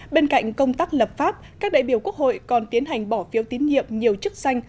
bên cạnh công tác lập pháp các đại biểu quốc hội còn tiến hành bỏ phiếu tín nhiệm nhiều chức danh